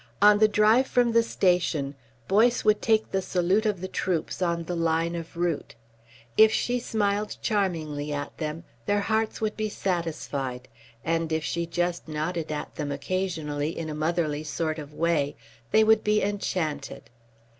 On the drive from the station Boyce would take the salute of the troops on the line of route. If she smiled charmingly on them, their hearts would be satisfied, and if she just nodded at them occasionally in a motherly sort of way, they would be enchanted.